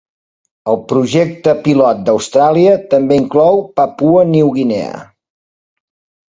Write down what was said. El projecte pilot d'Austràlia també inclou Papua New Guinea.